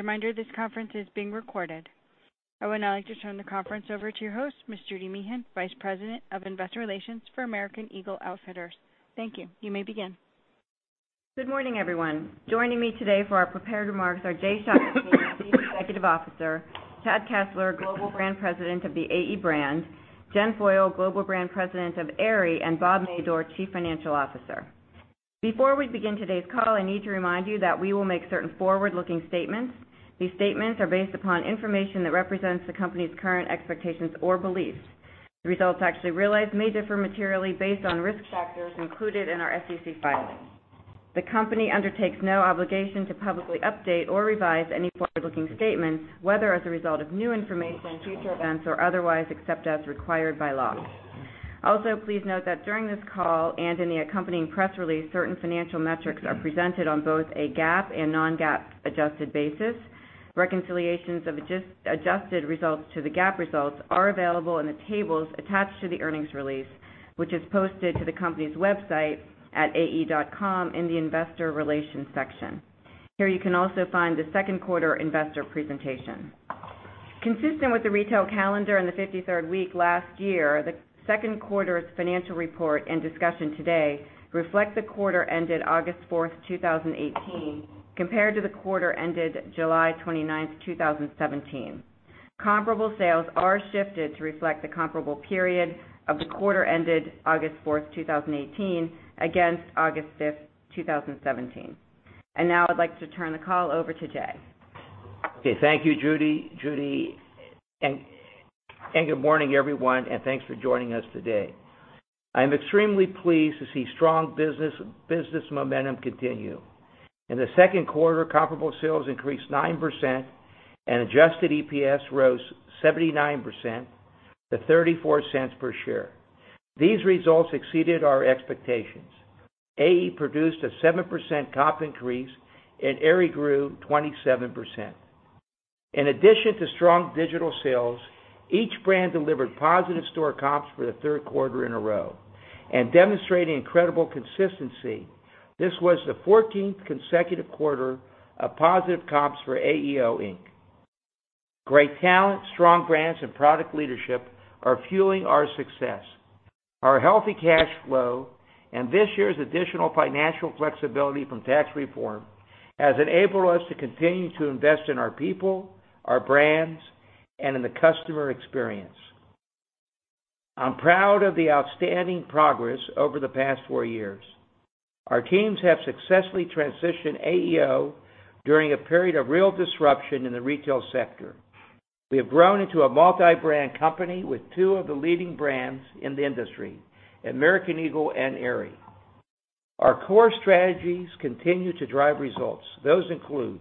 Reminder, this conference is being recorded. I would now like to turn the conference over to your host, Ms. Judy Meehan, Vice President of Investor Relations for American Eagle Outfitters. Thank you. You may begin. Good morning, everyone. Joining me today for our prepared remarks are Jay Schottenstein, Chief Executive Officer, Chad Kessler, Global Brand President of the AE brand, Jen Foyle, Global Brand President of Aerie, and Bob Madore, Chief Financial Officer. Before we begin today's call, I need to remind you that we will make certain forward-looking statements. These statements are based upon information that represents the company's current expectations or beliefs. The results actually realized may differ materially based on risk factors included in our SEC filings. The company undertakes no obligation to publicly update or revise any forward-looking statements, whether as a result of new information, future events, or otherwise, except as required by law. Also, please note that during this call and in the accompanying press release, certain financial metrics are presented on both a GAAP and non-GAAP adjusted basis. Reconciliations of adjusted results to the GAAP results are available in the tables attached to the earnings release, which is posted to the company's website at ae.com in the investor relations section. Here, you can also find the second quarter investor presentation. Consistent with the retail calendar in the 53rd week last year, the second quarter's financial report and discussion today reflect the quarter ended August 4th, 2018, compared to the quarter ended July 29th, 2017. Comparable sales are shifted to reflect the comparable period of the quarter ended August 4th, 2018, against August 5th, 2017. Now I'd like to turn the call over to Jay. Okay. Thank you, Judy, good morning, everyone, thanks for joining us today. I am extremely pleased to see strong business momentum continue. In the second quarter, comparable sales increased 9% and adjusted EPS rose 79% to $0.34 per share. These results exceeded our expectations. AE produced a 7% comp increase and Aerie grew 27%. In addition to strong digital sales, each brand delivered positive store comps for the third quarter in a row demonstrating incredible consistency. This was the 14th consecutive quarter of positive comps for AEO Inc. Great talent, strong brands, and product leadership are fueling our success. Our healthy cash flow and this year's additional financial flexibility from tax reform has enabled us to continue to invest in our people, our brands, and in the customer experience. I'm proud of the outstanding progress over the past four years. Our teams have successfully transitioned AEO during a period of real disruption in the retail sector. We have grown into a multi-brand company with two of the leading brands in the industry, American Eagle and Aerie. Our core strategies continue to drive results. Those include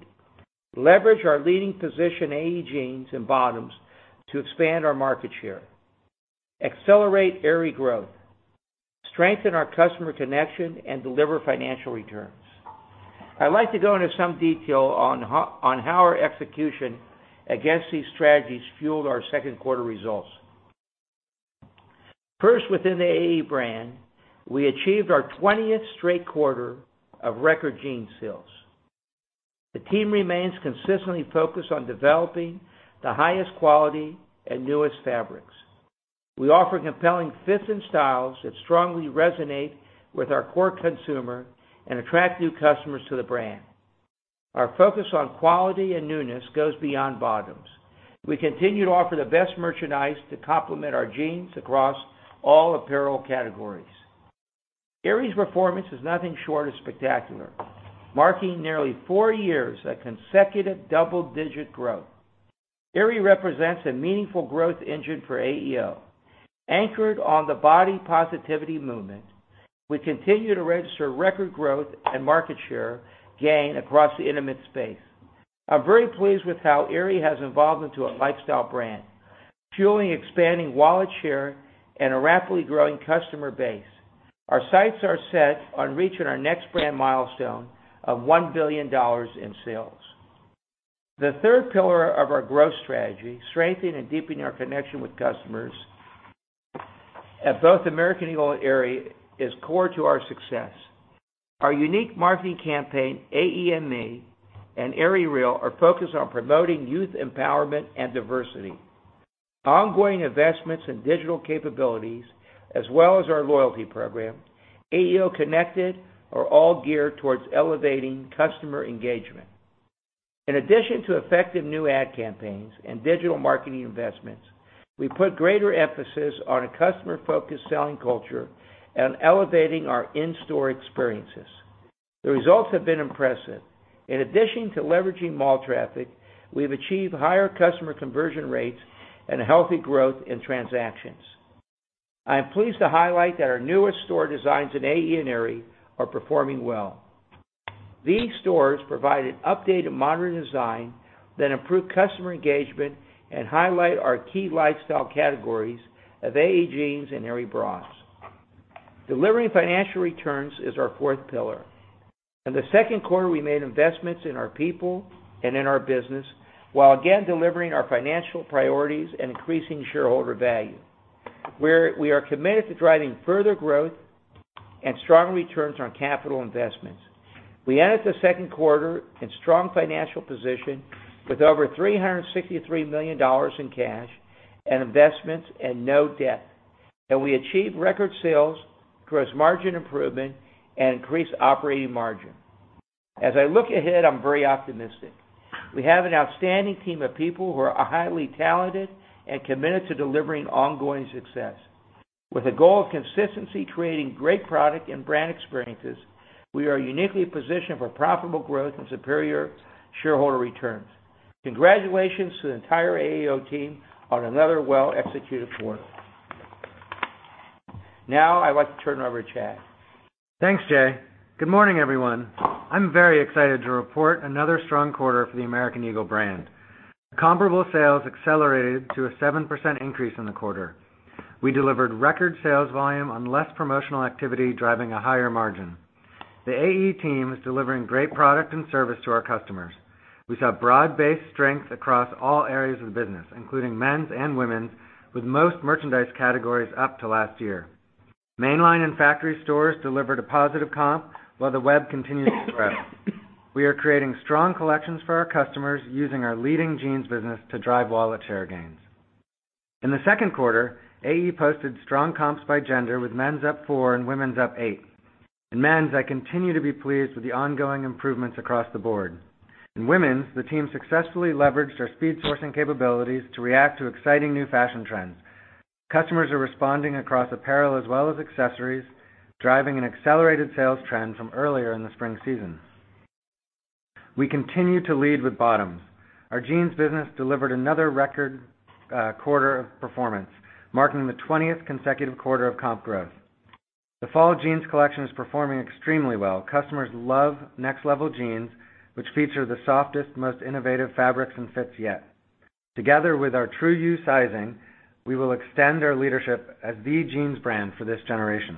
leverage our leading position, AE jeans and bottoms, to expand our market share, accelerate Aerie growth, strengthen our customer connection, and deliver financial returns. I'd like to go into some detail on how our execution against these strategies fueled our second quarter results. First, within the AE brand, we achieved our 20th straight quarter of record jean sales. The team remains consistently focused on developing the highest quality and newest fabrics. We offer compelling fits and styles that strongly resonate with our core consumer and attract new customers to the brand. Our focus on quality and newness goes beyond bottoms. We continue to offer the best merchandise to complement our jeans across all apparel categories. Aerie's performance is nothing short of spectacular, marking nearly four years of consecutive double-digit growth. Aerie represents a meaningful growth engine for AEO. Anchored on the body positivity movement, we continue to register record growth and market share gain across the intimate space. I'm very pleased with how Aerie has evolved into a lifestyle brand, fueling expanding wallet share and a rapidly growing customer base. Our sights are set on reaching our next brand milestone of $1 billion in sales. The third pillar of our growth strategy, strengthening and deepening our connection with customers at both American Eagle and Aerie, is core to our success. Our unique marketing campaign, AE ME and Aerie Real, are focused on promoting youth empowerment and diversity. Ongoing investments in digital capabilities as well as our loyalty program, AEO Connected, are all geared towards elevating customer engagement. In addition to effective new ad campaigns and digital marketing investments, we put greater emphasis on a customer-focused selling culture and elevating our in-store experiences. The results have been impressive. In addition to leveraging mall traffic, we've achieved higher customer conversion rates and healthy growth in transactions. I am pleased to highlight that our newest store designs in AE and Aerie are performing well. These stores provide an updated modern design that improve customer engagement and highlight our key lifestyle categories of AE jeans and Aerie bras. Delivering financial returns is our fourth pillar. In the second quarter, we made investments in our people and in our business while again delivering our financial priorities and increasing shareholder value. We are committed to driving further growth and strong returns on capital investments. We ended the second quarter in strong financial position with over $363 million in cash and investments and no debt. We achieved record sales, gross margin improvement, and increased operating margin. As I look ahead, I'm very optimistic. We have an outstanding team of people who are highly talented and committed to delivering ongoing success. With a goal of consistency, creating great product and brand experiences, we are uniquely positioned for profitable growth and superior shareholder returns. Congratulations to the entire AEO team on another well-executed quarter. Now I'd like to turn it over to Chad. Thanks, Jay. Good morning, everyone. I'm very excited to report another strong quarter for the American Eagle brand. Comparable sales accelerated to a 7% increase in the quarter. We delivered record sales volume on less promotional activity, driving a higher margin. The AE team is delivering great product and service to our customers. We saw broad-based strength across all areas of the business, including men's and women's, with most merchandise categories up to last year. Mainline and factory stores delivered a positive comp while the web continues to grow. We are creating strong collections for our customers using our leading jeans business to drive wallet share gains. In the second quarter, AE posted strong comps by gender with men's up four and women's up eight. In men's, I continue to be pleased with the ongoing improvements across the board. In women's, the team successfully leveraged our speed sourcing capabilities to react to exciting new fashion trends. Customers are responding across apparel as well as accessories, driving an accelerated sales trend from earlier in the spring season. We continue to lead with bottoms. Our jeans business delivered another record quarter of performance, marking the 20th consecutive quarter of comp growth. The fall jeans collection is performing extremely well. Customers love Ne(X)t Level jeans, which feature the softest, most innovative fabrics and fits yet. Together with our True You Sizing, we will extend our leadership as the jeans brand for this generation.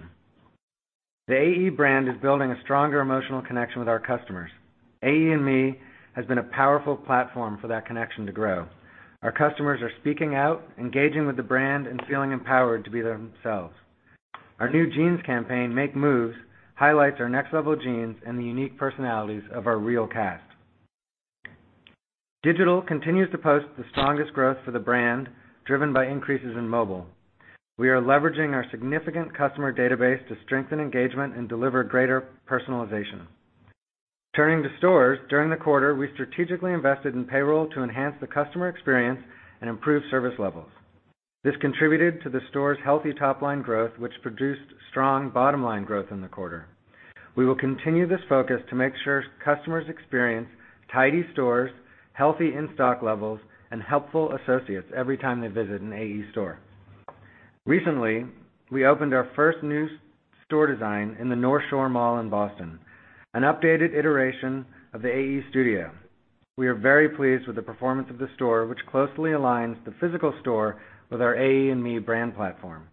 The AE brand is building a stronger emotional connection with our customers. AE & ME has been a powerful platform for that connection to grow. Our customers are speaking out, engaging with the brand, and feeling empowered to be themselves. Our new jeans campaign, Make Moves, highlights our Ne(X)t Level jeans and the unique personalities of our real cast. Digital continues to post the strongest growth for the brand, driven by increases in mobile. We are leveraging our significant customer database to strengthen engagement and deliver greater personalization. Turning to stores, during the quarter, we strategically invested in payroll to enhance the customer experience and improve service levels. This contributed to the store's healthy top-line growth, which produced strong bottom-line growth in the quarter. We will continue this focus to make sure customers experience tidy stores, healthy in-stock levels, and helpful associates every time they visit an AE store. Recently, we opened our first new store design in the Northshore Mall in Boston, an updated iteration of the AE Studio. We are very pleased with the performance of the store, which closely aligns the physical store with our AE & ME brand platform.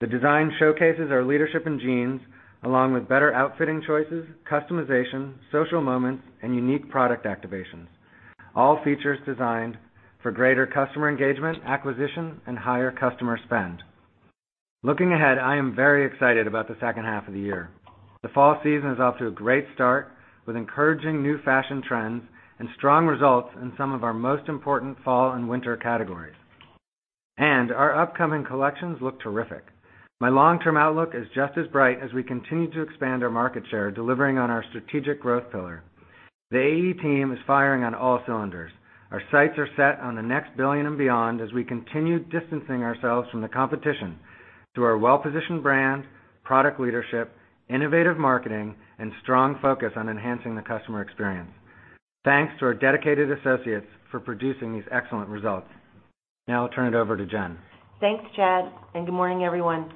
The design showcases our leadership in jeans, along with better outfitting choices, customization, social moments, and unique product activations, all features designed for greater customer engagement, acquisition, and higher customer spend. Looking ahead, I am very excited about the second half of the year. The fall season is off to a great start with encouraging new fashion trends and strong results in some of our most important fall and winter categories. Our upcoming collections look terrific. My long-term outlook is just as bright as we continue to expand our market share, delivering on our strategic growth pillar. The AE team is firing on all cylinders. Our sights are set on the next billion and beyond as we continue distancing ourselves from the competition through our well-positioned brand, product leadership, innovative marketing, and strong focus on enhancing the customer experience. Thanks to our dedicated associates for producing these excellent results. Now I'll turn it over to Jen. Thanks, Chad, and good morning, everyone.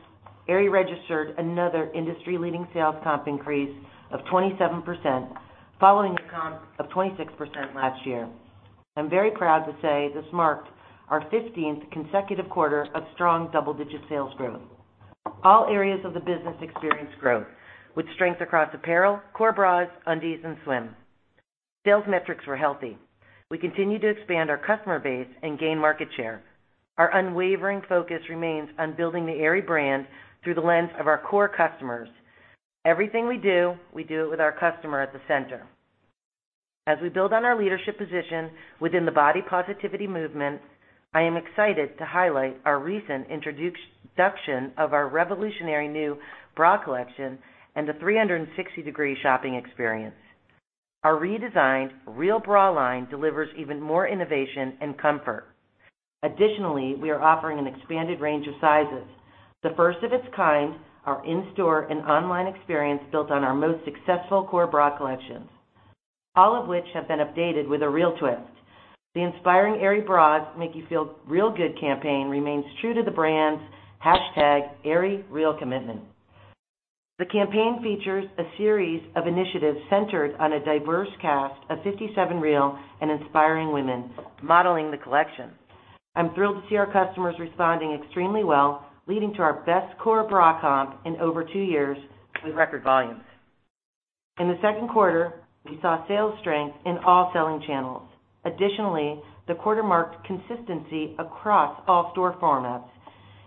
Aerie registered another industry-leading sales comp increase of 27%, following a comp of 26% last year. I'm very proud to say this marked our 15th consecutive quarter of strong double-digit sales growth. All areas of the business experienced growth with strength across apparel, core bras, undies and swim. Sales metrics were healthy. We continue to expand our customer base and gain market share. Our unwavering focus remains on building the Aerie brand through the lens of our core customers. Everything we do, we do it with our customer at the center. As we build on our leadership position within the body positivity movement, I am excited to highlight our recent introduction of our revolutionary new bra collection and the 360-degree shopping experience. Our redesigned Real Me line delivers even more innovation and comfort. Additionally, we are offering an expanded range of sizes, the first of its kind, our in-store and online experience built on our most successful core bra collections, all of which have been updated with a real twist. The inspiring Aerie Bras Make You Feel Real Good campaign remains true to the brand's #AerieREAL commitment. The campaign features a series of initiatives centered on a diverse cast of 57 real and inspiring women modeling the collection. I'm thrilled to see our customers responding extremely well, leading to our best core bra comp in over two years with record volumes. In the second quarter, we saw sales strength in all selling channels. Additionally, the quarter marked consistency across all store formats.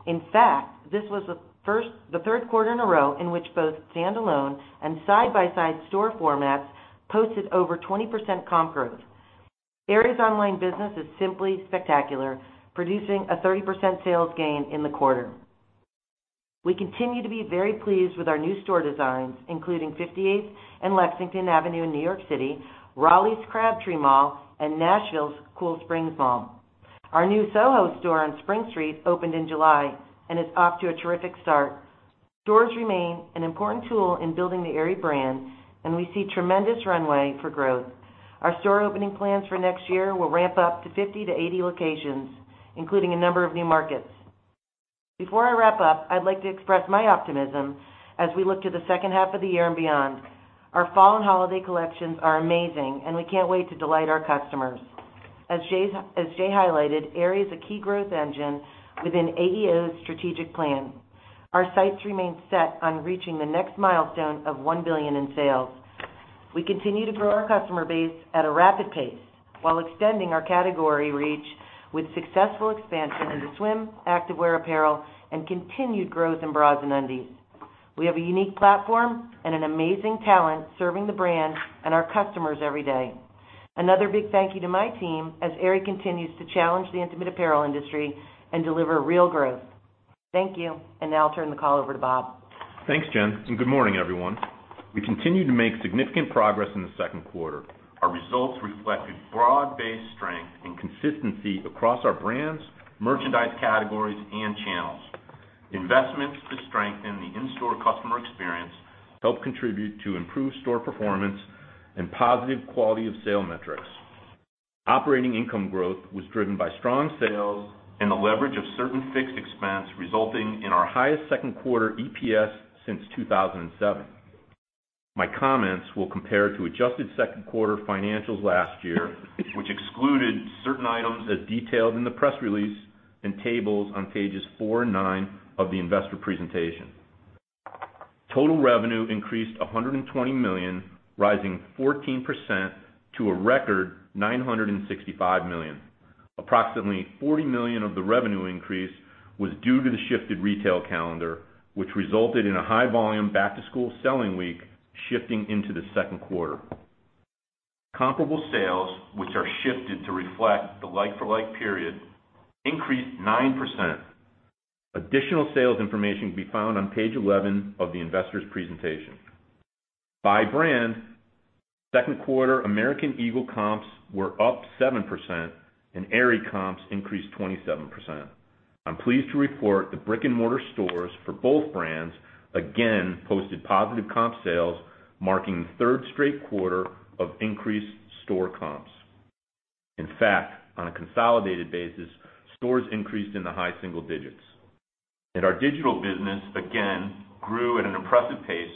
In fact, this was the third quarter in a row in which both standalone and side-by-side store formats posted over 20% comp growth. Aerie's online business is simply spectacular, producing a 30% sales gain in the quarter. We continue to be very pleased with our new store designs, including 58th and Lexington Avenue in New York City, Raleigh's Crabtree Mall, and Nashville's Cool Springs Mall. Our new Soho store on Spring Street opened in July and is off to a terrific start. Stores remain an important tool in building the Aerie brand, and we see tremendous runway for growth. Our store opening plans for next year will ramp up to 50-80 locations, including a number of new markets. Before I wrap up, I'd like to express my optimism as we look to the second half of the year and beyond. Our fall and holiday collections are amazing, and we can't wait to delight our customers. As Jay highlighted, Aerie is a key growth engine within AEO's strategic plan. Our sights remain set on reaching the next milestone of $1 billion in sales. We continue to grow our customer base at a rapid pace while extending our category reach with successful expansion into swim, activewear apparel, and continued growth in bras and undies. We have a unique platform and an amazing talent serving the brand and our customers every day. Another big thank you to my team as Aerie continues to challenge the intimate apparel industry and deliver real growth. Thank you. Now I'll turn the call over to Bob. Thanks, Jen, good morning, everyone. We continue to make significant progress in the second quarter. Our results reflected broad-based strength and consistency across our brands, merchandise categories, and channels. Investments to strengthen the in-store customer experience helped contribute to improved store performance and positive quality of sale metrics. Operating income growth was driven by strong sales and the leverage of certain fixed expense resulting in our highest second quarter EPS since 2007. My comments will compare to adjusted second quarter financials last year, which excluded certain items as detailed in the press release and tables on pages four and nine of the investor presentation. Total revenue increased $120 million, rising 14% to a record $965 million. Approximately $40 million of the revenue increase was due to the shifted retail calendar, which resulted in a high volume back-to-school selling week shifting into the second quarter. Comparable sales, which are shifted to reflect the like-for-like period, increased 9%. Additional sales information can be found on page 11 of the investor's presentation. By brand, second quarter American Eagle comps were up 7% and Aerie comps increased 27%. I'm pleased to report the brick-and-mortar stores for both brands again posted positive comp sales, marking the third straight quarter of increased store comps. In fact, on a consolidated basis, stores increased in the high single digits. Our digital business again grew at an impressive pace,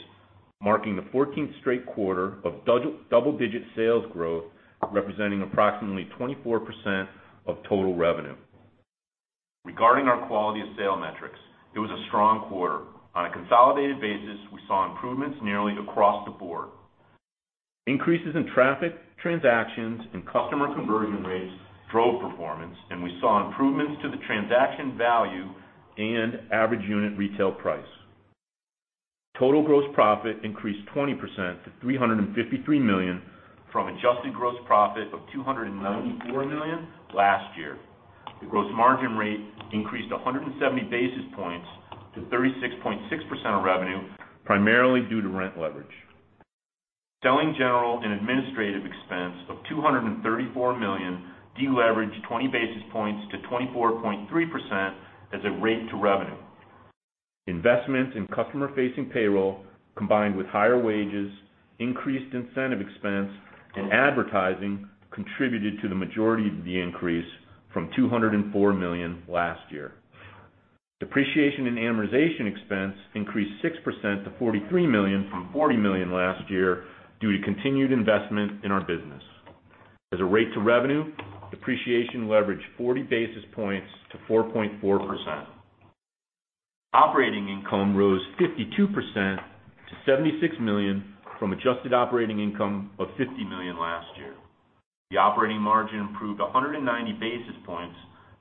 marking the 14th straight quarter of double-digit sales growth, representing approximately 24% of total revenue. Regarding our quality of sale metrics, it was a strong quarter. On a consolidated basis, we saw improvements nearly across the board. Increases in traffic, transactions, and customer conversion rates drove performance, and we saw improvements to the transaction value and average unit retail price. Total gross profit increased 20% to $353 million from adjusted gross profit of $294 million last year. The gross margin rate increased 170 basis points to 36.6% of revenue, primarily due to rent leverage. Selling, general, and administrative expense of $234 million deleveraged 20 basis points to 24.3% as a rate to revenue. Investments in customer-facing payroll, combined with higher wages, increased incentive expense, and advertising contributed to the majority of the increase from $204 million last year. Depreciation and amortization expense increased 6% to $43 million from $40 million last year due to continued investment in our business. As a rate to revenue, depreciation leveraged 40 basis points to 4.4%. Operating income rose 52% to $76 million from adjusted operating income of $50 million last year. The operating margin improved 190 basis points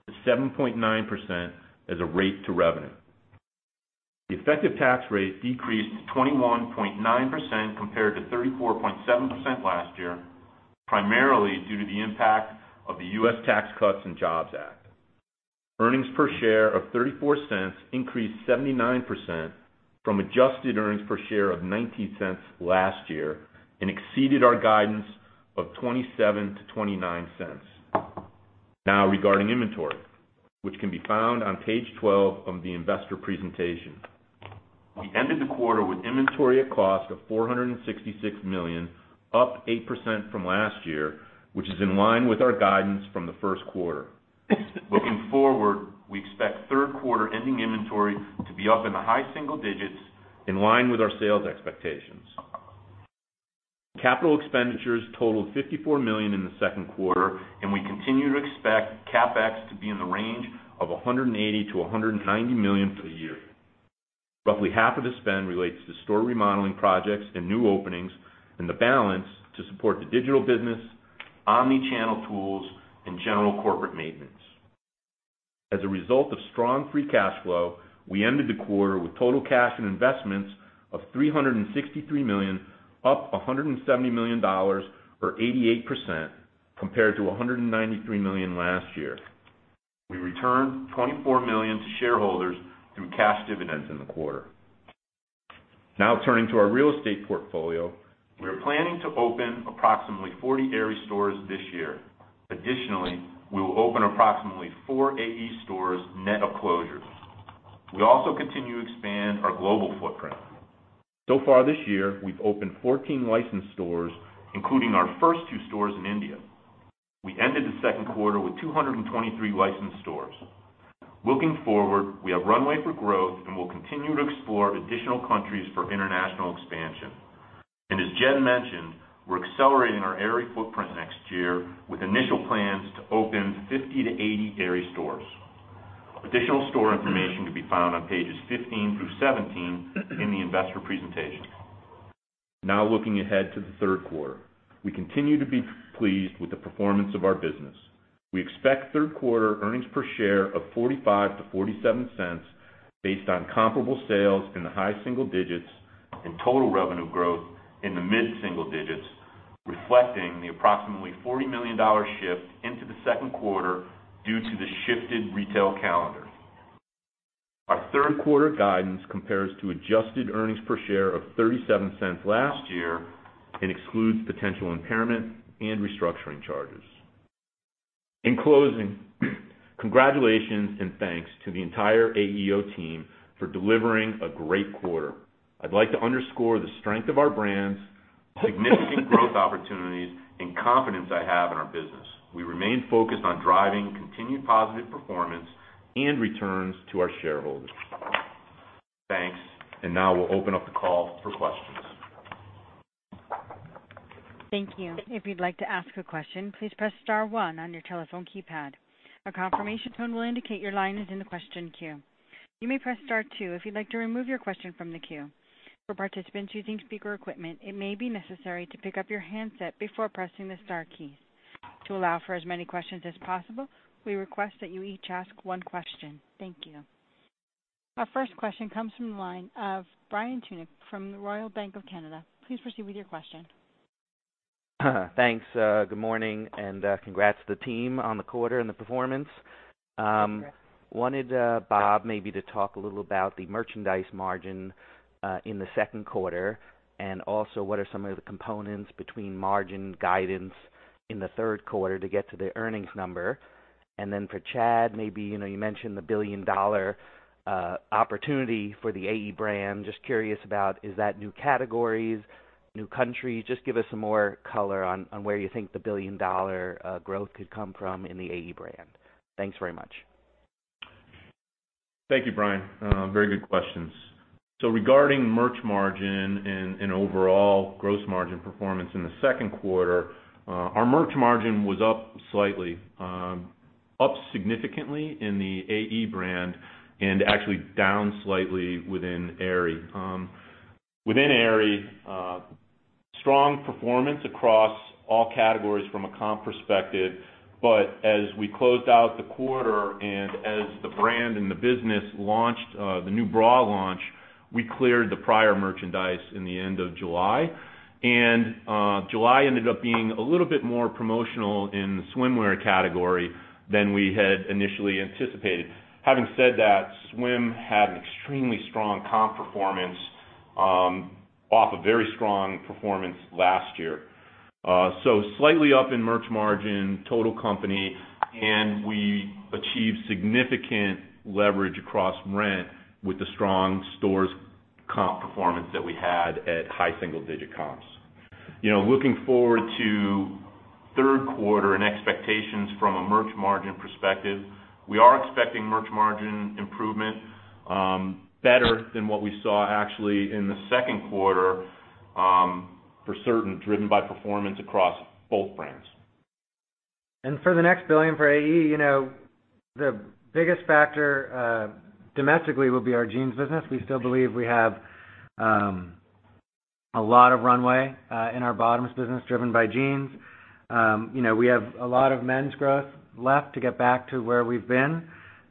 to 7.9% as a rate to revenue. The effective tax rate decreased to 21.9% compared to 34.7% last year, primarily due to the impact of the U.S. Tax Cuts and Jobs Act. Earnings per share of $0.34 increased 79% from adjusted earnings per share of $0.19 last year and exceeded our guidance of $0.27-$0.29. Regarding inventory, which can be found on page 12 of the investor presentation. We ended the quarter with inventory at cost of $466 million, up 8% from last year, which is in line with our guidance from the first quarter. Looking forward, we expect third-quarter ending inventory to be up in the high single digits, in line with our sales expectations. Capital expenditures totaled $54 million in the second quarter, and we continue to expect CapEx to be in the range of $180 million-$190 million for the year. Roughly half of the spend relates to store remodeling projects and new openings, the balance to support the digital business, omni-channel tools, and general corporate maintenance. As a result of strong free cash flow, we ended the quarter with total cash and investments of $363 million, up $170 million or 88%, compared to $193 million last year. We returned $24 million to shareholders through cash dividends in the quarter. Turning to our real estate portfolio. We are planning to open approximately 40 Aerie stores this year. Additionally, we will open approximately four AE stores net of closures. We also continue to expand our global footprint. So far this year, we've opened 14 licensed stores, including our first two stores in India. We ended the second quarter with 223 licensed stores. Looking forward, we have runway for growth, we'll continue to explore additional countries for international expansion. As Jen mentioned, we're accelerating our Aerie footprint next year with initial plans to open 50-80 Aerie stores. Additional store information can be found on pages 15 through 17 in the investor presentation. Looking ahead to the third quarter. We continue to be pleased with the performance of our business. We expect third quarter earnings per share of $0.45-$0.47 based on comparable sales in the high single digits and total revenue growth in the mid-single digits, reflecting the approximately $40 million shift into the second quarter due to the shifted retail calendar. Our third quarter guidance compares to adjusted earnings per share of $0.37 last year and excludes potential impairment and restructuring charges. In closing, congratulations, thanks to the entire AEO team for delivering a great quarter. I'd like to underscore the strength of our brands, significant growth opportunities, and confidence I have in our business. We remain focused on driving continued positive performance and returns to our shareholders. Thanks. Now we'll open up the call for questions. Thank you. If you'd like to ask a question, please press *1 on your telephone keypad. A confirmation tone will indicate your line is in the question queue. You may press *2 if you'd like to remove your question from the queue. For participants using speaker equipment, it may be necessary to pick up your handset before pressing the star keys. To allow for as many questions as possible, we request that you each ask one question. Thank you. Our first question comes from the line of Brian Tunick from the Royal Bank of Canada. Please proceed with your question. Thanks. Good morning, and congrats to the team on the quarter and the performance. Thank you. Wanted Bob maybe to talk a little about the merchandise margin in the second quarter and also what are some of the components between margin guidance in the third quarter to get to the earnings number. Then for Chad, maybe you mentioned the billion-dollar opportunity for the AE brand. Just curious about, is that new categories, new countries? Just give us some more color on where you think the billion-dollar growth could come from in the AE brand. Thanks very much. Thank you, Brian. Very good questions. Regarding merch margin and overall gross margin performance in the second quarter, our merch margin was up slightly. Up significantly in the AE brand and actually down slightly within Aerie. Within Aerie, strong performance across all categories from a comp perspective, as we closed out the quarter and as the brand and the business launched the new bra launch, we cleared the prior merchandise in the end of July. July ended up being a little bit more promotional in the swimwear category than we had initially anticipated. Having said that, swim had an extremely strong comp performance off a very strong performance last year. Slightly up in merch margin, total company, we achieved significant leverage across rent with the strong stores comp performance that we had at high single-digit comps. Looking forward to third quarter expectations from a merch margin perspective, we are expecting merch margin improvement better than what we saw actually in the second quarter for certain, driven by performance across both brands. For the next $1 billion for AE, the biggest factor domestically will be our jeans business. We still believe we have a lot of runway in our bottoms business driven by jeans. We have a lot of men's growth left to get back to where we've been.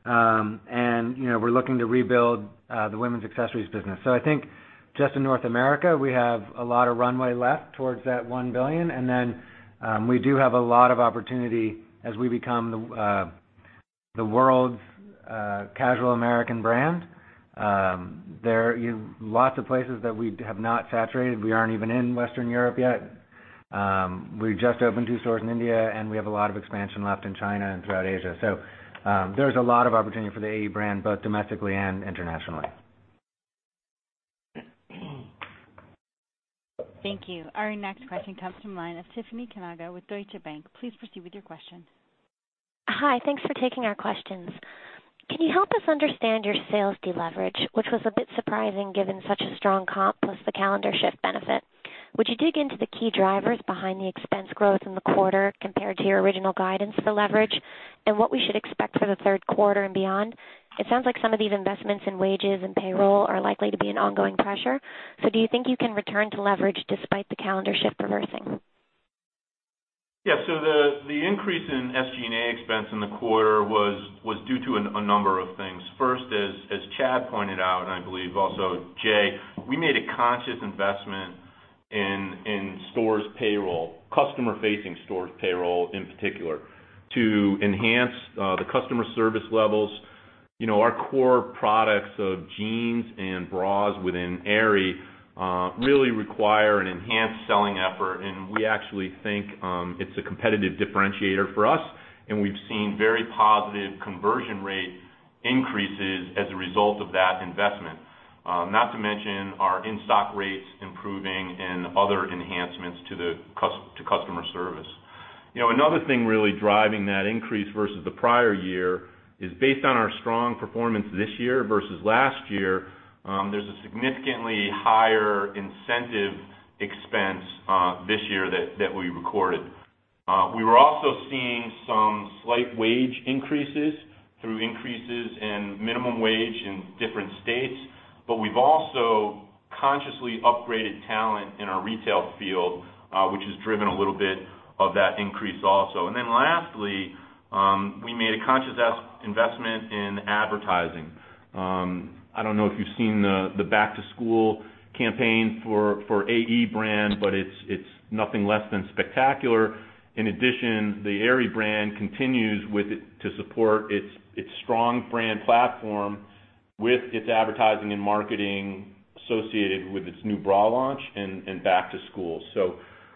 We're looking to rebuild the women's accessories business. I think just in North America, we have a lot of runway left towards that $1 billion, then we do have a lot of opportunity as we become the world's casual American brand. There are lots of places that we have not saturated. We aren't even in Western Europe yet. We just opened 2 stores in India, we have a lot of expansion left in China and throughout Asia. There's a lot of opportunity for the AE brand, both domestically and internationally. Thank you. Our next question comes from the line of Tiffany Kanaga with Deutsche Bank. Please proceed with your question. Hi, thanks for taking our questions. Can you help us understand your sales deleverage, which was a bit surprising given such a strong comp plus the calendar shift benefit? Would you dig into the key drivers behind the expense growth in the quarter compared to your original guidance for the leverage and what we should expect for the third quarter and beyond? It sounds like some of these investments in wages and payroll are likely to be an ongoing pressure. Do you think you can return to leverage despite the calendar shift reversing? Yes. The increase in SG&A expense in the quarter was due to a number of things. First, as Chad pointed out, and I believe also Jay, we made a conscious investment in stores payroll, customer-facing stores payroll in particular, to enhance the customer service levels. Our core products of jeans and bras within Aerie really require an enhanced selling effort, and we actually think it's a competitive differentiator for us, and we've seen very positive conversion rate increases as a result of that investment. Not to mention our in-stock rates improving and other enhancements to customer service. Another thing really driving that increase versus the prior year is based on our strong performance this year versus last year, there's a significantly higher incentive expense this year that we recorded. We were also seeing some slight wage increases through increases in minimum wage in different states, but we've also consciously upgraded talent in our retail field, which has driven a little bit of that increase also. Lastly, we made a conscious investment in advertising. I don't know if you've seen the back-to-school campaign for AE brand, but it's nothing less than spectacular. In addition, the Aerie brand continues to support its strong brand platform with its advertising and marketing associated with its new bra launch and back to school.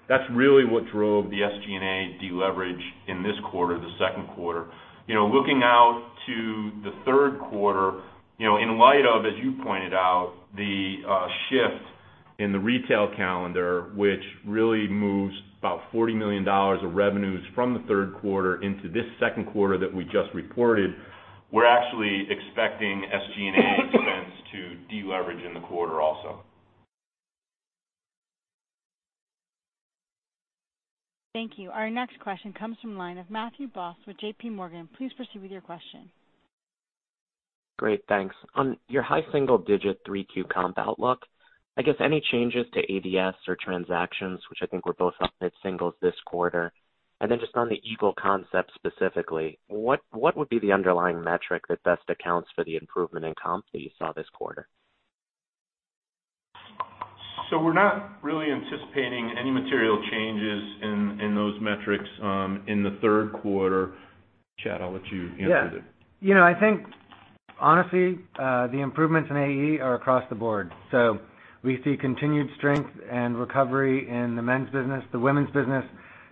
That's really what drove the SG&A deleverage in this quarter, the second quarter. Looking out to the third quarter, in light of, as you pointed out, the shift in the retail calendar, which really moves about $40 million of revenues from the third quarter into this second quarter that we just reported, we're actually expecting SG&A expense to deleverage in the quarter also. Thank you. Our next question comes from the line of Matthew Boss with JPMorgan. Please proceed with your question. Great. Thanks. On your high single-digit 3Q comp outlook, I guess any changes to ADS or transactions, which I think were both up mid singles this quarter. Just on the Eagle concept specifically, what would be the underlying metric that best accounts for the improvement in comp that you saw this quarter? We're not really anticipating any material changes in those metrics in the third quarter. Chad, I'll let you answer that. Yeah. I think honestly, the improvements in AE are across the board. We see continued strength and recovery in the men's business. The women's business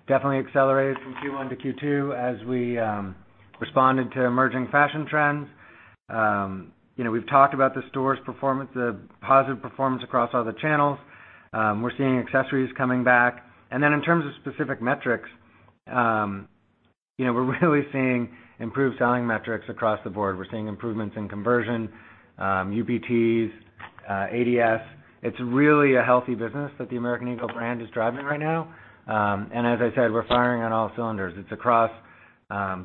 definitely accelerated from Q1 to Q2 as we responded to emerging fashion trends. We've talked about the stores performance, the positive performance across all the channels. We're seeing accessories coming back. In terms of specific metrics, we're really seeing improved selling metrics across the board. We're seeing improvements in conversion, UPT, ADS. It's really a healthy business that the American Eagle brand is driving right now. As I said, we're firing on all cylinders. It's across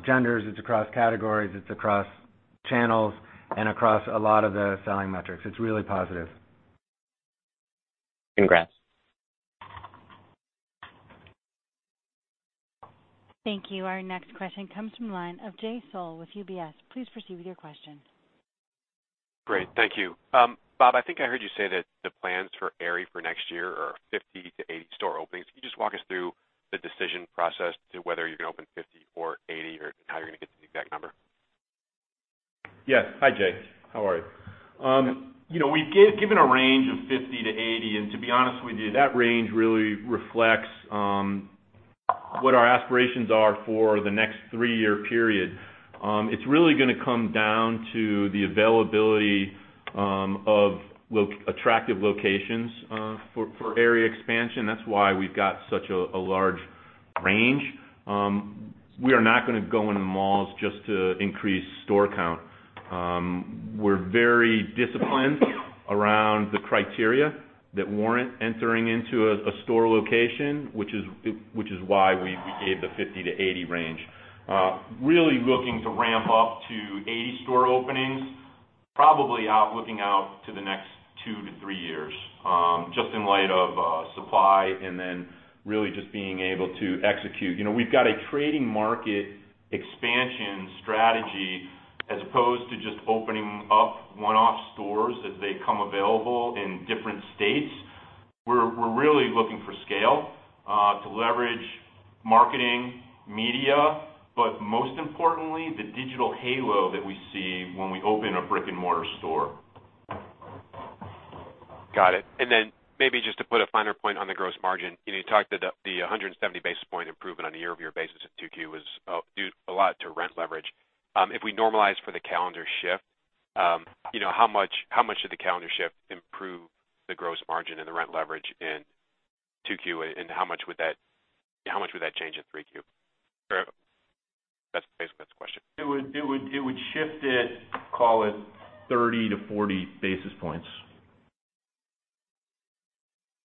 genders, it's across categories, it's across channels, and across a lot of the selling metrics. It's really positive. Congrats. Thank you. Our next question comes from the line of Jay Sole with UBS. Please proceed with your question. Great. Thank you. Bob, I think I heard you say that the plans for Aerie for next year are 50-80 store openings. Can you just walk us through the decision process to whether you're going to open 50 or 80, or how you're going to get to the exact number? Yes. Hi, Jay. How are you? We've given a range of 50-80. To be honest with you, that range really reflects on what our aspirations are for the next three-year period. It's really gonna come down to the availability of attractive locations for Aerie expansion. That's why we've got such a large range. We are not gonna go into malls just to increase store count. We're very disciplined around the criteria that warrant entering into a store location, which is why we gave the 50-80 range. Really looking to ramp up to 80 store openings, probably looking out to the next two to three years, just in light of supply and then really just being able to execute. We've got a trading market expansion strategy as opposed to just opening up one-off stores as they come available in different states. We're really looking for scale to leverage marketing, media. Most importantly, the digital halo that we see when we open a brick-and-mortar store. Got it. Maybe just to put a finer point on the gross margin. You talked the 170 basis point improvement on a year-over-year basis at 2Q was due a lot to rent leverage. If we normalize for the calendar shift, how much did the calendar shift improve the gross margin and the rent leverage in 2Q, how much would that change in 3Q? That's basically the question. It would shift it, call it 30-40 basis points.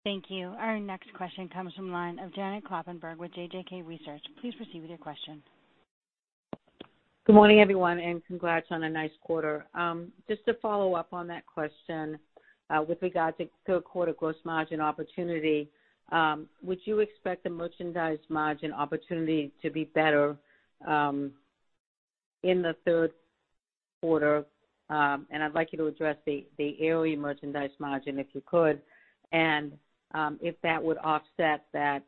Thank you. Our next question comes from the line of Janet Kloppenburg with JJK Research. Please proceed with your question. Good morning, everyone, and congrats on a nice quarter. Just to follow up on that question with regard to third quarter gross margin opportunity, would you expect the merchandise margin opportunity to be better in the third quarter? I'd like you to address the Aerie merchandise margin, if you could, and if that would offset that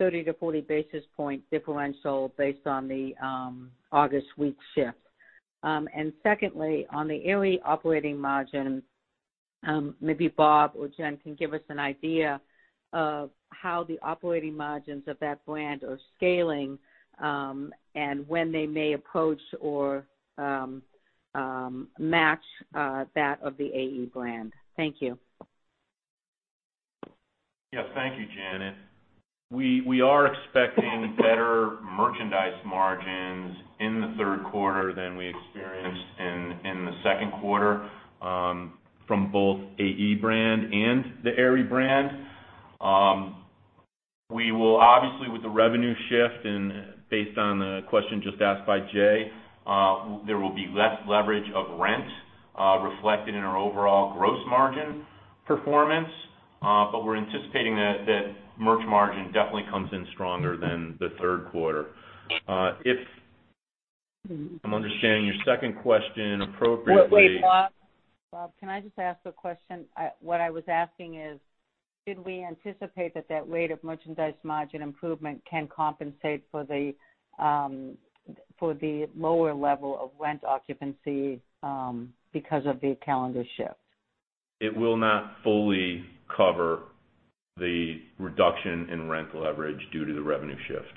30-40 basis point differential based on the August week shift. Secondly, on the Aerie operating margin, maybe Bob Madore or Jen Foyle can give us an idea of how the operating margins of that brand are scaling and when they may approach or match that of the AE brand. Thank you. Yes. Thank you, Janet Kloppenburg. We are expecting better merchandise margins in the third quarter than we experienced in the second quarter from both AE brand and the Aerie brand. Obviously, with the revenue shift and based on the question just asked by Jay, there will be less leverage of rent reflected in our overall gross margin performance. We're anticipating that merch margin definitely comes in stronger than the third quarter. If I'm understanding your second question appropriately- Wait, Bob. Bob, can I just ask the question? What I was asking is, did we anticipate that that rate of merchandise margin improvement can compensate for the lower level of rent occupancy because of the calendar shift? It will not fully cover the reduction in rent leverage due to the revenue shift.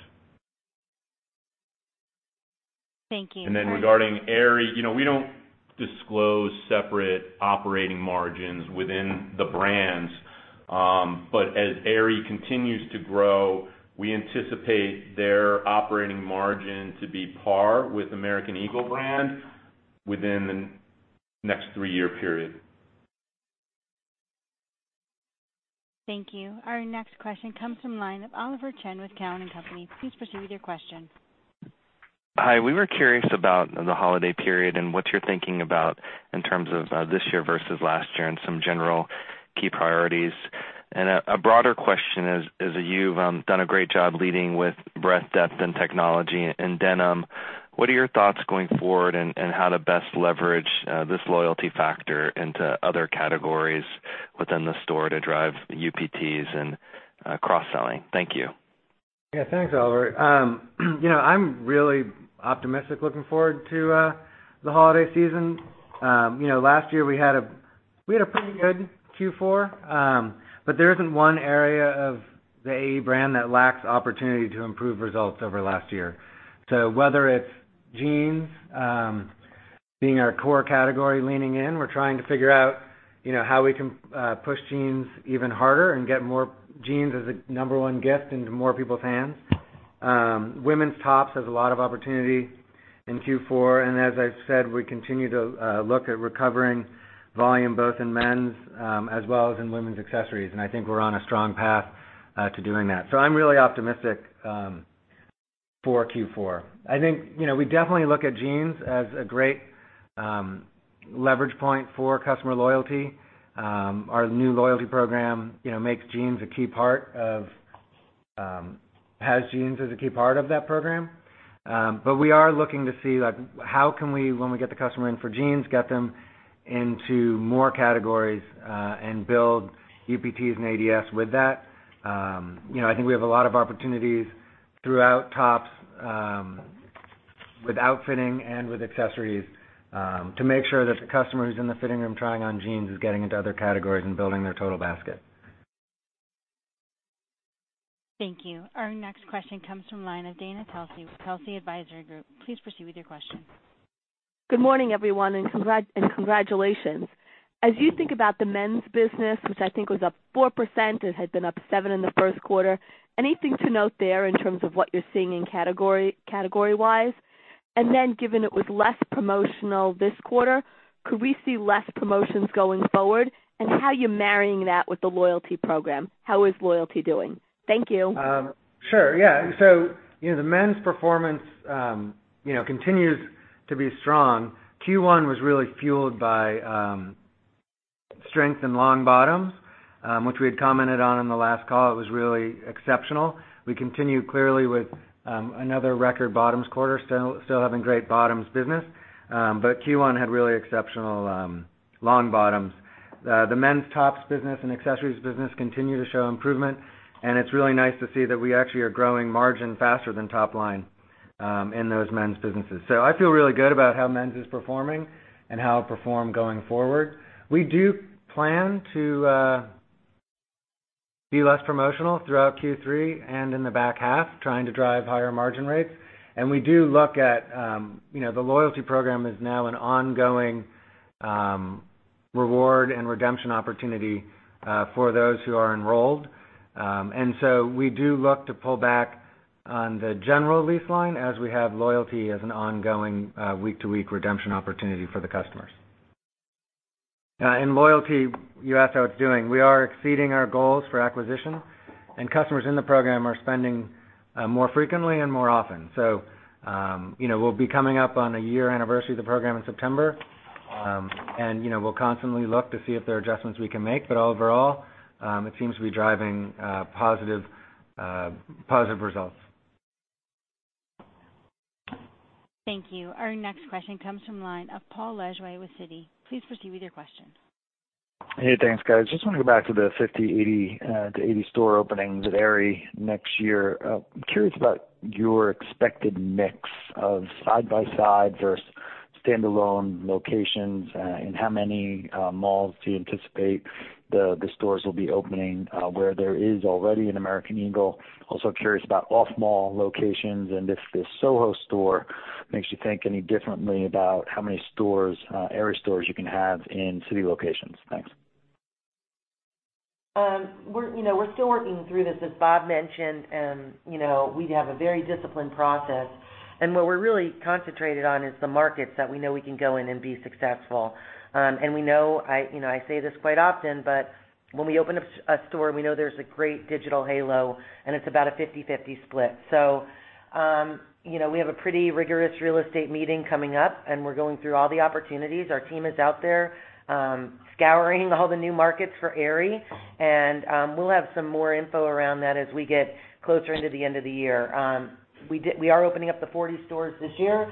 Thank you. Regarding Aerie, we don't disclose separate operating margins within the brands. As Aerie continues to grow, we anticipate their operating margin to be par with American Eagle brand within the next three-year period. Thank you. Our next question comes from the line of Oliver Chen with Cowen and Company. Please proceed with your question. Hi. We were curious about the holiday period and what you're thinking about in terms of this year versus last year and some general key priorities. A broader question is, you've done a great job leading with breadth, depth, and technology in denim. What are your thoughts going forward and how to best leverage this loyalty factor into other categories within the store to drive UPT and cross-selling? Thank you. Thanks, Oliver. I'm really optimistic looking forward to the holiday season. Last year, we had a pretty good Q4. There isn't one area of the AE brand that lacks opportunity to improve results over last year. Whether it's jeans being our core category leaning in, we're trying to figure out how we can push jeans even harder and get more jeans as a number 1 gift into more people's hands. Women's tops has a lot of opportunity in Q4. As I've said, we continue to look at recovering volume both in men's as well as in women's accessories. I think we're on a strong path to doing that. I'm really optimistic for Q4. I think we definitely look at jeans as a great leverage point for customer loyalty. Our new loyalty program has jeans as a key part of that program. We are looking to see how can we, when we get the customer in for jeans, get them into more categories and build UPT and ADS with that. I think we have a lot of opportunities throughout tops with outfitting and with accessories to make sure that the customer who's in the fitting room trying on jeans is getting into other categories and building their total basket. Thank you. Our next question comes from the line of Dana Telsey with Telsey Advisory Group. Please proceed with your question. Good morning, everyone. Congratulations. As you think about the men's business, which I think was up 4%, it had been up 7% in the first quarter. Anything to note there in terms of what you're seeing in category-wise? Given it was less promotional this quarter, could we see less promotions going forward? How are you marrying that with the loyalty program? How is loyalty doing? Thank you. Sure, yeah. The men's performance continues to be strong. Q1 was really fueled by strength in long bottoms, which we had commented on in the last call. It was really exceptional. We continue clearly with another record bottoms quarter, still having great bottoms business. Q1 had really exceptional long bottoms. The men's tops business and accessories business continue to show improvement, and it's really nice to see that we actually are growing margin faster than top line in those men's businesses. I feel really good about how men's is performing and how it'll perform going forward. We do plan to be less promotional throughout Q3 and in the back half, trying to drive higher margin rates. We do look at the loyalty program as now an ongoing Reward and redemption opportunity for those who are enrolled. We do look to pull back on the general baseline as we have loyalty as an ongoing week-to-week redemption opportunity for the customers. In loyalty, you asked how it's doing. We are exceeding our goals for acquisition, and customers in the program are spending more frequently and more often. We'll be coming up on a year anniversary of the program in September. We'll constantly look to see if there are adjustments we can make, but overall, it seems to be driving positive results. Thank you. Our next question comes from the line of Paul Lejuez with Citi. Please proceed with your question. Hey, thanks guys. Just want to go back to the 50-80 store openings at Aerie next year. I'm curious about your expected mix of side-by-side versus standalone locations, and how many malls do you anticipate the stores will be opening where there is already an American Eagle? Also curious about off-mall locations and if the Soho store makes you think any differently about how many Aerie stores you can have in city locations. Thanks. We're still working through this, as Bob mentioned. We have a very disciplined process. What we're really concentrated on is the markets that we know we can go in and be successful. I say this quite often, but when we open up a store, we know there's a great digital halo, and it's about a 50/50 split. We have a pretty rigorous real estate meeting coming up, and we're going through all the opportunities. Our team is out there scouring all the new markets for Aerie. We'll have some more info around that as we get closer into the end of the year. We are opening up the 40 stores this year.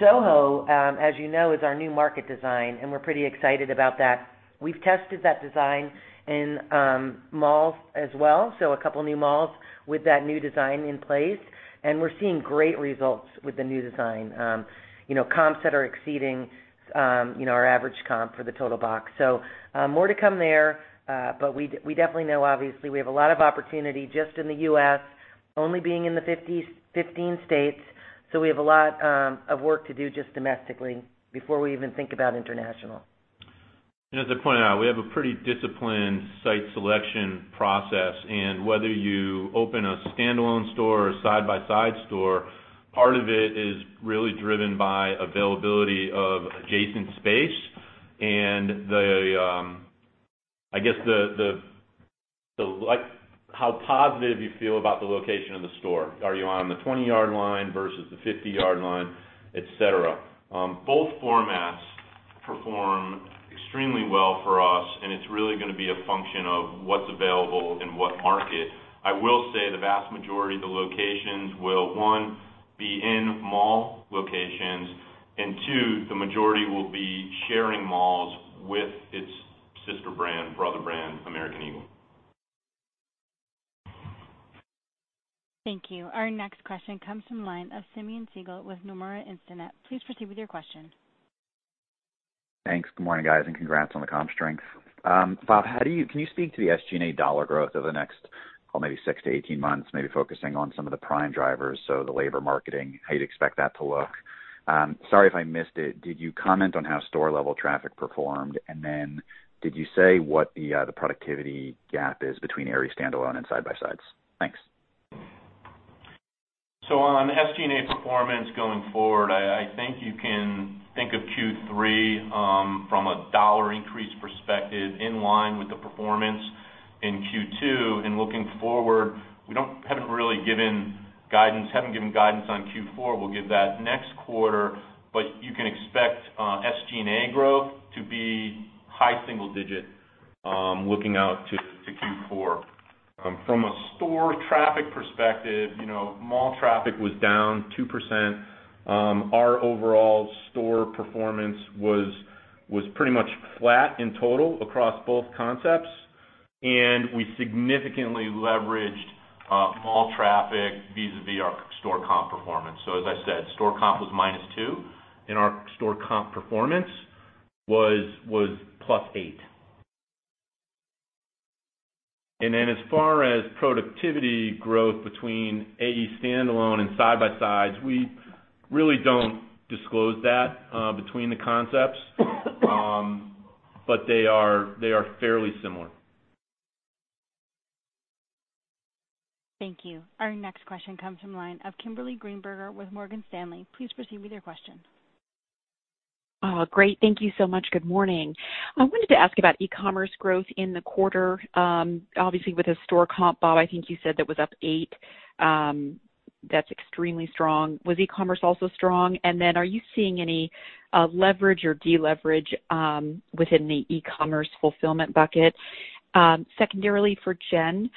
Soho, as you know, is our new market design. We're pretty excited about that. We've tested that design in malls as well. A couple of new malls with that new design in place, and we're seeing great results with the new design. Comps that are exceeding our average comp for the total box. More to come there, but we definitely know, obviously, we have a lot of opportunity just in the U.S., only being in the 15 states. We have a lot of work to do just domestically before we even think about international. As I pointed out, we have a pretty disciplined site selection process. Whether you open a standalone store or side-by-side store, part of it is really driven by availability of adjacent space and the how positive you feel about the location of the store. Are you on the 20-yard line versus the 50-yard line, et cetera. Both formats perform extremely well for us, and it's really going to be a function of what's available in what market. I will say the vast majority of the locations will, one, be in mall locations, and two, the majority will be sharing malls with its sister brand, brother brand, American Eagle. Thank you. Our next question comes from line of Simeon Siegel with Nomura Instinet. Please proceed with your question. Thanks. Good morning, guys, and congrats on the comp strength. Bob, can you speak to the SG&A dollar growth over the next, maybe 6 to 18 months, maybe focusing on some of the prime drivers, so the labor marketing, how you'd expect that to look? Sorry if I missed it. Did you comment on how store-level traffic performed? Did you say what the productivity gap is between Aerie standalone and side-by-sides? Thanks. On SG&A performance going forward, I think you can think of Q3 from a dollar increase perspective, in line with the performance in Q2. Looking forward, we haven't given guidance on Q4. We'll give that next quarter, but you can expect SG&A growth to be high single digit looking out to Q4. From a store traffic perspective, mall traffic was down 2%. Our overall store performance was pretty much flat in total across both concepts, and we significantly leveraged mall traffic vis-a-vis our store comp performance. As I said, mall traffic was -2, and our store comp performance was +8. As far as productivity growth between AE standalone and side-by-sides, we really don't disclose that between the concepts. They are fairly similar. Thank you. Our next question comes from line of Kimberly Greenberger with Morgan Stanley. Please proceed with your question. Oh, great. Thank you so much. Good morning. I wanted to ask about e-commerce growth in the quarter. Obviously, with the store comp, Bob, I think you said that was up 8. That's extremely strong. Was e-commerce also strong? Are you seeing any leverage or de-leverage within the e-commerce fulfillment bucket? Secondarily, for Jen,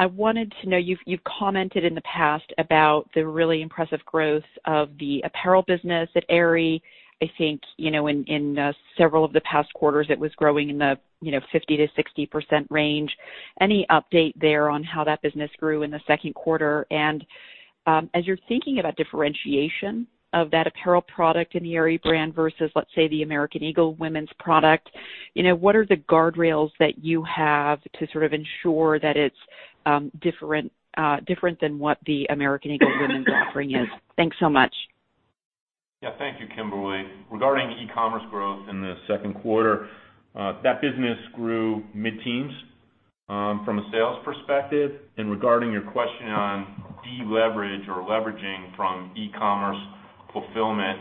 I wanted to know, you've commented in the past about the really impressive growth of the apparel business at Aerie. I think in several of the past quarters, it was growing in the 50%-60% range. Any update there on how that business grew in the second quarter? As you're thinking about differentiation of that apparel product in the Aerie brand versus, let's say, the American Eagle women's product What are the guardrails that you have to ensure that it's different than what the American Eagle women's offering is? Thanks so much. Yeah. Thank you, Kimberly. Regarding e-commerce growth in the second quarter, that business grew mid-teens from a sales perspective. Regarding your question on deleverage or leveraging from e-commerce fulfillment,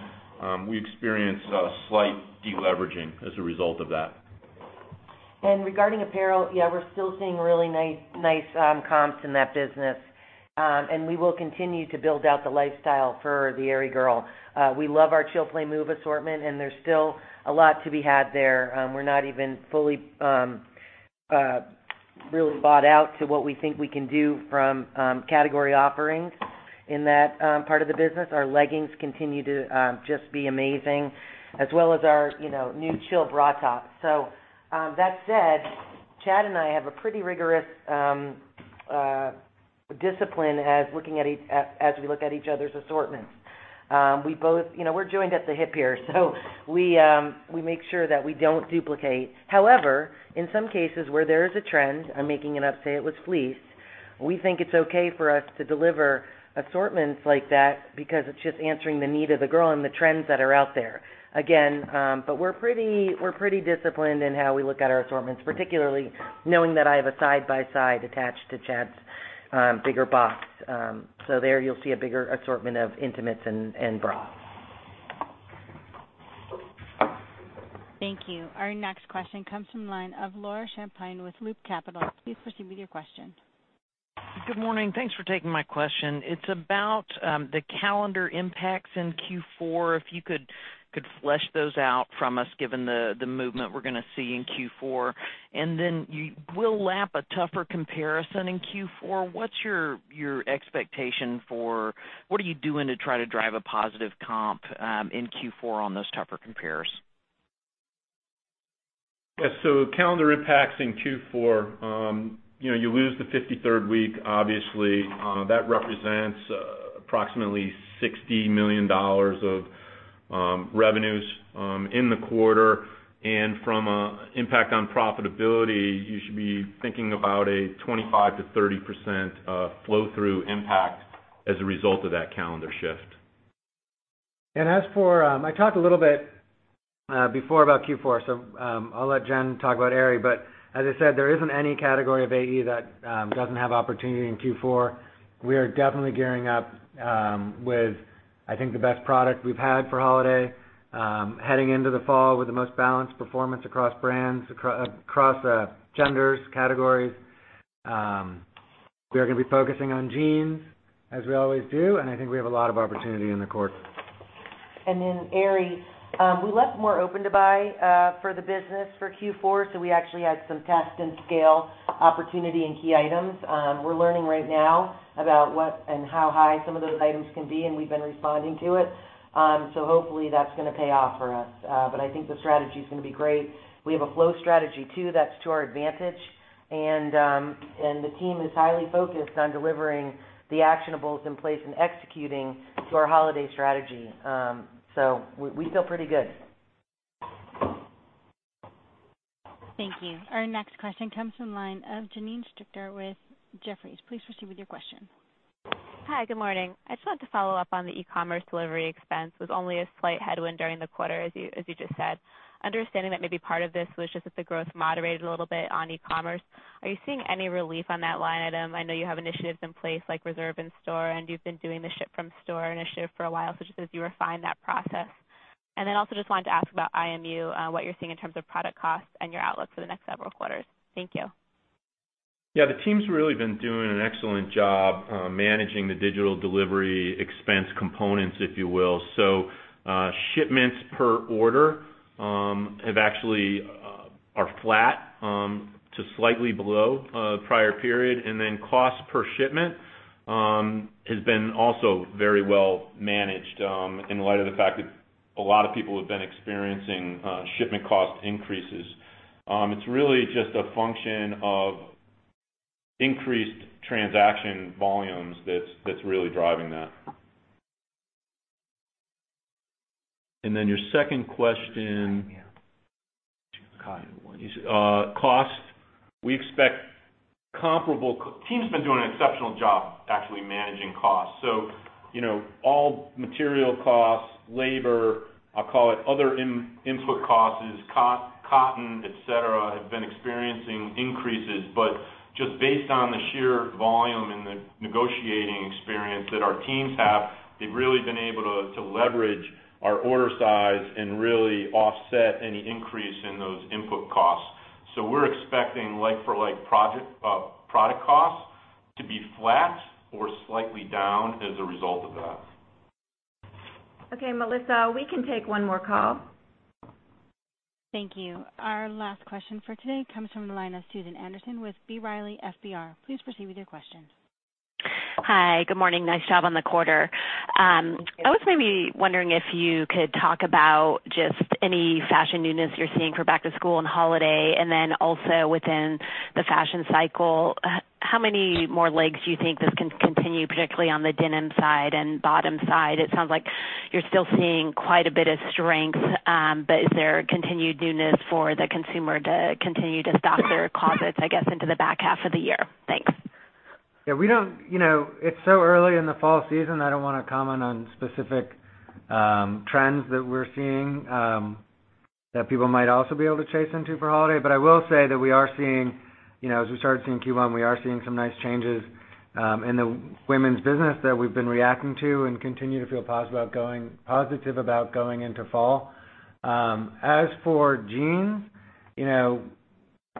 we experienced a slight deleveraging as a result of that. Regarding apparel, yeah, we're still seeing really nice comps in that business. We will continue to build out the lifestyle for the Aerie girl. We love our Chill. Play. Move. assortment, and there's still a lot to be had there. We're not even fully really thought out to what we think we can do from category offerings in that part of the business. Our leggings continue to just be amazing, as well as our new Chill bra top. That said, Chad and I have a pretty rigorous discipline as we look at each other's assortments. We're joined at the hip here, so we make sure that we don't duplicate. However, in some cases where there is a trend, I'm making it up, say it was fleece, we think it's okay for us to deliver assortments like that because it's just answering the need of the girl and the trends that are out there. Again, we're pretty disciplined in how we look at our assortments, particularly knowing that I have a side-by-side attached to Chad's bigger box. There you'll see a bigger assortment of intimates and bras. Thank you. Our next question comes from the line of Laura Champagne with Loop Capital. Please proceed with your question. Good morning. Thanks for taking my question. It's about the calendar impacts in Q4, if you could flesh those out from us given the movement we're going to see in Q4. You will lap a tougher comparison in Q4. What are you doing to try to drive a positive comp in Q4 on those tougher compares? Yes. Calendar impacts in Q4. You lose the 53rd week, obviously. That represents approximately $60 million of revenues in the quarter. From an impact on profitability, you should be thinking about a 25%-30% flow-through impact as a result of that calendar shift. I talked a little bit before about Q4. I'll let Jen talk about Aerie. As I said, there isn't any category of AE that doesn't have opportunity in Q4. We are definitely gearing up with, I think, the best product we've had for holiday, heading into the fall with the most balanced performance across brands, across genders, categories. We are going to be focusing on jeans, as we always do. I think we have a lot of opportunity in the quarter. Aerie. We left more open to buy for the business for Q4. We actually had some test and scale opportunity in key items. We're learning right now about what and how high some of those items can be. We've been responding to it. Hopefully that's going to pay off for us. I think the strategy's going to be great. We have a flow strategy too, that's to our advantage. The team is highly focused on delivering the actionables in place and executing to our holiday strategy. We feel pretty good. Thank you. Our next question comes from the line of Janine Stichter with Jefferies. Please proceed with your question. Hi, good morning. I just wanted to follow up on the e-commerce delivery expense. It was only a slight headwind during the quarter, as you just said. Understanding that maybe part of this was just that the growth moderated a little bit on e-commerce, are you seeing any relief on that line item? I know you have initiatives in place like reserve in store, and you've been doing the ship from store initiative for a while, so just as you refine that process. I also just wanted to ask about IMU, what you're seeing in terms of product costs and your outlook for the next several quarters. Thank you. Yeah, the team's really been doing an excellent job managing the digital delivery expense components, if you will. Shipments per order actually are flat to slightly below prior period. Cost per shipment has been also very well managed, in light of the fact that a lot of people have been experiencing shipment cost increases. It's really just a function of increased transaction volumes that's really driving that. Your second question. Cost. The team's been doing an exceptional job actually managing costs. All material costs, labor, I'll call it other input costs, is cotton, et cetera, have been experiencing increases. Just based on the sheer volume and the negotiating experience that our teams have, they've really been able to leverage our order size and really offset any increase in those input costs. We're expecting like for like product costs to be flat or slightly down as a result of that. Okay, Melissa, we can take one more call. Thank you. Our last question for today comes from the line of Susan Anderson with B. Riley FBR. Please proceed with your question. Hi. Good morning. Nice job on the quarter. Thank you. I was maybe wondering if you could talk about just any fashion newness you're seeing for back to school and holiday. Also within the fashion cycle, how many more legs do you think this can continue, particularly on the denim side and bottom side? It sounds like you're still seeing quite a bit of strength. Is there continued newness for the consumer to continue to stock their closets, I guess, into the back half of the year? Thanks. Yeah. It's so early in the fall season, I don't want to comment on specific trends that we're seeing that people might also be able to chase into for holiday. I will say that as we started seeing Q1, we are seeing some nice changes in the women's business that we've been reacting to and continue to feel positive about going into fall. As for jeans,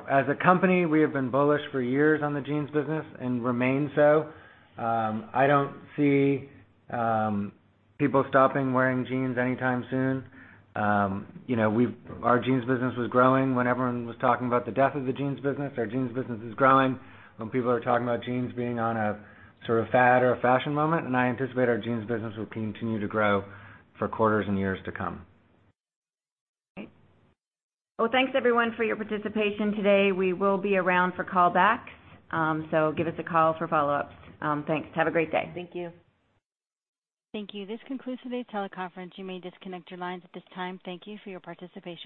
as a company, we have been bullish for years on the jeans business and remain so. I don't see people stopping wearing jeans anytime soon. Our jeans business was growing when everyone was talking about the death of the jeans business. Our jeans business is growing when people are talking about jeans being on a fad or a fashion moment. I anticipate our jeans business will continue to grow for quarters and years to come. Great. Well, thanks everyone for your participation today. We will be around for call back. Give us a call for follow-ups. Thanks. Have a great day. Thank you. Thank you. This concludes today's teleconference. You may disconnect your lines at this time. Thank you for your participation.